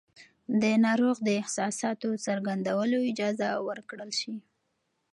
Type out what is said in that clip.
د ناروغ د احساساتو څرګندولو اجازه ورکړل شي.